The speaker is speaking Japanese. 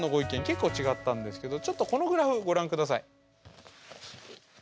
結構違ったんですけどちょっとこのグラフご覧下さい。